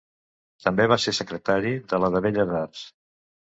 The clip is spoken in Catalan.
També va ser secretari de la de Belles arts.